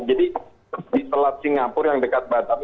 jadi di telat singapura yang dekat batam